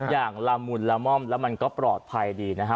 อย่างละมุนละม่อมแล้วมันก็ปลอดภัยดีนะฮะ